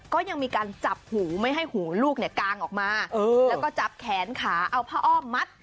ก็ยังมีการจับหูไม่ให้หูลูกเนี่ยกางออกมาแล้วก็จับแขนขาเอาผ้าอ้อมมัด